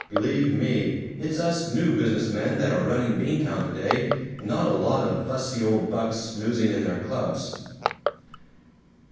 Believe me, it's us new business men that are running Beantown today, and not a lot of fussy old bucks snoozing in their clubs!"